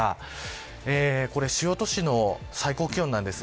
主要都市の最高気温です。